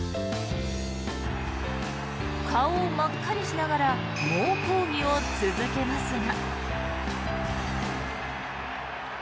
顔を真っ赤にしながら猛抗議を続けますが。